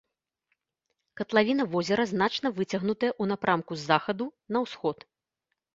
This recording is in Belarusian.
Катлавіна возера значна выцягнутая ў напрамку з захаду на ўсход.